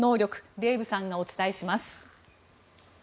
デーブさんがお伝えします。